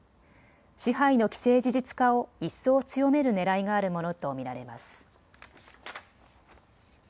支配の既成事実化を一層強めるねらいがあるものと見られます。